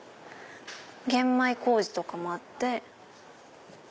玄米麹とかもあって。